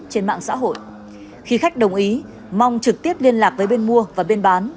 trên mạng xã hội khi khách đồng ý mong trực tiếp liên lạc với bên mua và bên bán